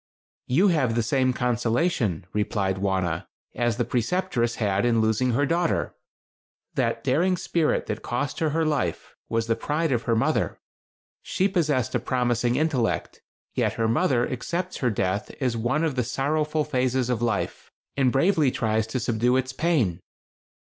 "You have the same consolation," replied Wauna, "as the Preceptress had in losing her daughter. That daring spirit that cost her her life, was the pride of her mother. She possessed a promising intellect, yet her mother accepts her death as one of the sorrowful phases of life, and bravely tries to subdue its pain.